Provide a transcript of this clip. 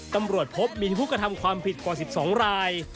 ตำรวจพบมีผู้กระทำความผิดกว่า๑๒ราย